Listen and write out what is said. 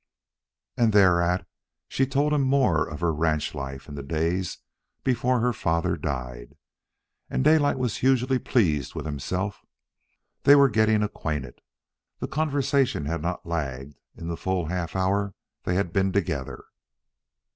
And thereat she told him more of her ranch life in the days before her father died. And Daylight was hugely pleased with himself. They were getting acquainted. The conversation had not lagged in the full half hour they had been together.